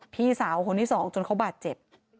พี่สาวคนที่สองจนเขาบาดเจ็บ